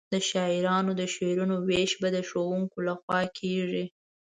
د شاعرانو د شعرونو وېش به د ښوونکي له خوا کیږي.